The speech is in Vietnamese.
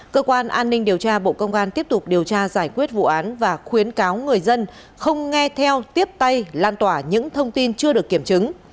cơ quan an ninh điều tra bộ công an tiếp tục điều tra giải quyết vụ án và khuyến cáo người dân không nghe theo tiếp tay lan tỏa những thông tin chưa được kiểm chứng